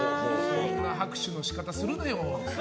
そんな拍手の仕方するなよ！